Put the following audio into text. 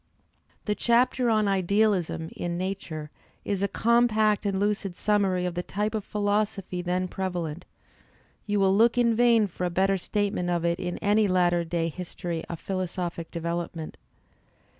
The chapter on "Idealism" in "Nature" is a compact and lucid summary of the type of philosophy then prevalent; you will look in vain for a better statement of it in any latter day history of philosophic development.